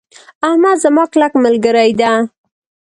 احمد زما کلک ملګری ده.